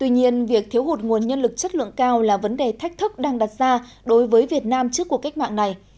nhưng việc thiếu hụt nguồn nhân lực chất lượng cao là vấn đề thách thức đang đặt ra đối với việt nam trước cuộc cách mạng này